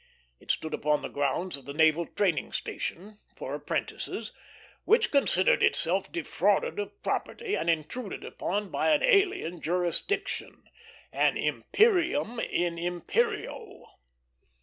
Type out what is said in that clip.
It stood upon the grounds of the Naval Training Station, for apprentices, which considered itself defrauded of property and intruded upon by an alien jurisdiction an imperium in imperio.